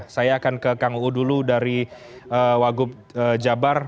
saya akan ke kang uu dulu dari wagub jabar